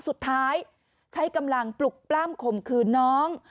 สุดท้ายใช้กำลังปลุกปล้ำข่มขืนน้อง